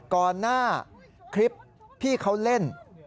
ก่อนหน้าคลิปพี่เขาเล่น